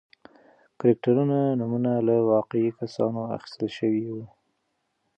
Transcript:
کرکټرونو نومونه له واقعي کسانو اخیستل شوي و.